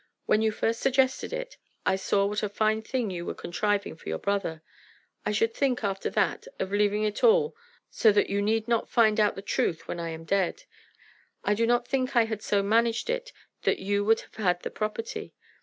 When you first suggested it, I saw what a fine thing you were contriving for your brother. I should think, after that, of leaving it all so that you need not find out the truth when I am dead. I do think I had so managed it that you would have had the property.